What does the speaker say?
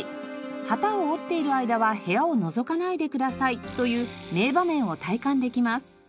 「機を織っている間は部屋をのぞかないでください」という名場面を体感できます。